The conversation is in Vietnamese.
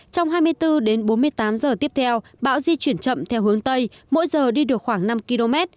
trong hai mươi bốn đến bốn mươi tám giờ tiếp theo bão di chuyển chậm theo hướng tây mỗi giờ đi được khoảng năm km